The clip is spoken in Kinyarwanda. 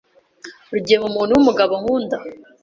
Rugema umuntu wumugabo nkunda.